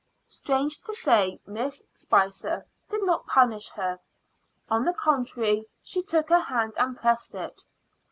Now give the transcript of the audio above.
Strange to say, Miss Spicer did not punish her. On the contrary, she took her hand and pressed it.